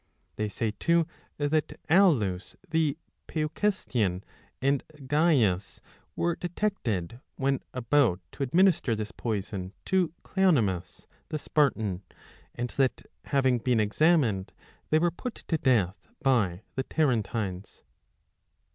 They say too that Aulus the Peucestian and Gaius were de tected when about to administer this poison to Cleonymus 5 836 a DE MIRABILIBUS the Spartan, and that having been examined they were put to death by the Tarentines.